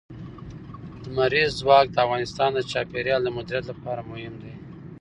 لمریز ځواک د افغانستان د چاپیریال د مدیریت لپاره مهم دي.